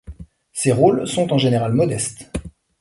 Ses rôles sont en général modestes.